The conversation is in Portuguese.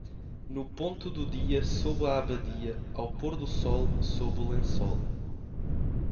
No ponto do dia sob a abadia, ao pôr do sol sob o lençol.